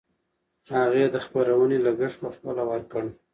هغې د خپرونې لګښت پخپله ورکړ.